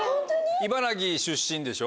茨城出身でしょ？